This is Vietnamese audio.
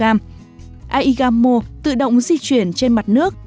aigamo tự động di chuyển trên mặt nước